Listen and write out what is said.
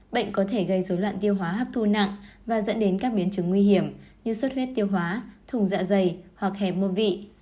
bệnh có thể gây dối loạn tiêu hóa hấp thu nặng và dẫn đến các biến chứng nguy hiểm như suốt huyết tiêu hóa thùng dạ dày hoặc hẻm mô vị